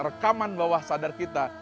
rekaman bawah sadar kita